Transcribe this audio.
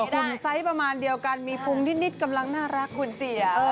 ุ่มไซส์ประมาณเดียวกันมีภูมินิดกำลังน่ารักคุณเสีย